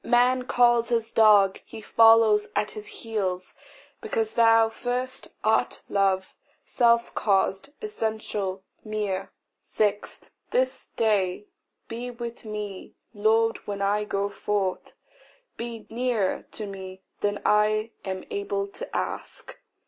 Man calls his dog, he follows at his heel, Because thou first art love, self caused, essential, mere. 6. This day be with me, Lord, when I go forth, Be nearer to me than I am able to ask.